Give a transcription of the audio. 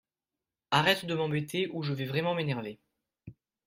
Arrête de m'embêter ou je vais vraiment m'énerver